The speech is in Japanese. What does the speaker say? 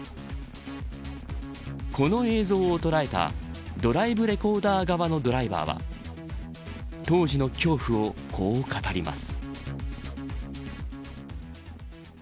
この映像を捉えたドライブレコーダー側のドライバーは当時の恐怖をこう語ります。